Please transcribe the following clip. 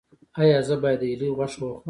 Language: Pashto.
ایا زه باید د هیلۍ غوښه وخورم؟